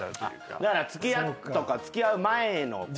だから付き合うとか付き合う前の子だ。